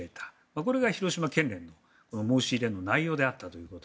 これが広島県連の申し入れの内容であったということ。